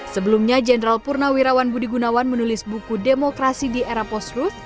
sebelumnya jenderal purnawirawan budi gunawan menulis buku demokrasi di era postrut